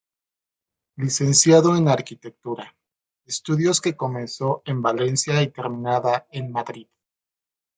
Licenciado en Arquitectura, estudios que comenzó en Valencia y terminada en Madrid.